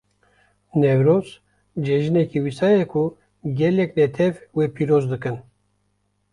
Newroz, cejineke wisa ye ku gelek netew wê pîroz dikin.